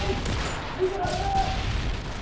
スイカ食べる！